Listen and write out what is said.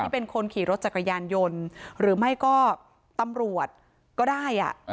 เป็นคนขี่รถจักรยานยนต์หรือไม่ก็ตำรวจก็ได้